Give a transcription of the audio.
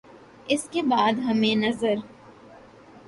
اس کے بعد ہمیں نظر